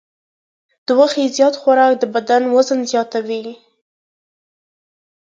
د غوښې زیات خوراک د بدن وزن زیاتوي.